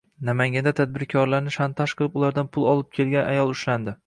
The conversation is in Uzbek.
Namanganda tadbirkorlarni shantaj qilib, ulardan pul olib kelgan ayol ushlandi